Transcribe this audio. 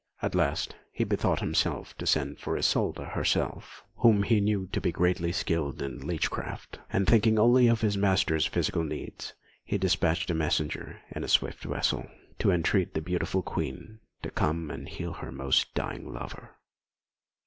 At last he bethought him to send for Isolda herself, whom he knew to be greatly skilled in leech craft; and thinking only of his master's physical needs, he despatched a messenger in a swift vessel, to entreat the beautiful Queen to come and heal her almost dying lover.